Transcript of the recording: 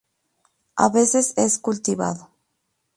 A veces es cultivado.